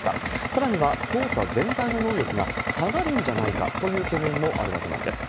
さらには、捜査全体の能力が下がるんじゃないかという懸念もあるわけなんです。